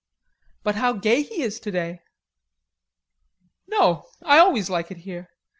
"But how gay he is to day." "No. I always like it here.